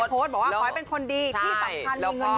โพสต์บอกว่าขอให้เป็นคนดีที่สำคัญมีเงิน